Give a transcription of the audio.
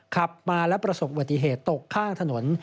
ขับมาและประสบวติเหตุตกข้างถนน